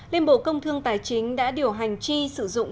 liên bộ công thương tài chính đã điều hành chi sử dụng